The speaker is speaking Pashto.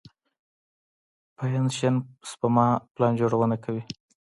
پنشن سپما پلان جوړونه کوي.